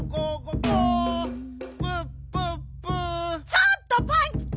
ちょっとパンキチ！